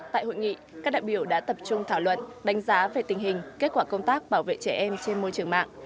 tại hội nghị các đại biểu đã tập trung thảo luận đánh giá về tình hình kết quả công tác bảo vệ trẻ em trên môi trường mạng